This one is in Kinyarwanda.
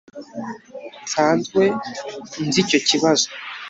Nsanzwe nzi icyo kibazo